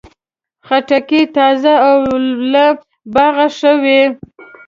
خټکی تازه او له باغه ښه وي.